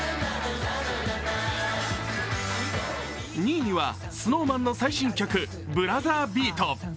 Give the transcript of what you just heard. ２位にはＳｎｏｗＭａｎの最新曲「ブラザービート」。